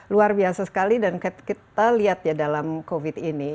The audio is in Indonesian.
luar biasa sekali dan kita lihat ya dalam covid ini